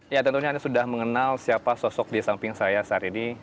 ya tentunya anda sudah mengenal siapa sosok di samping saya saat ini